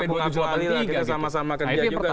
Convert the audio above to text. kita sama sama kerja juga